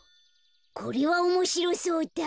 これはおもしろそうだ。